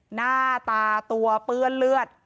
หน้าตาตัวเปื้อนเลือด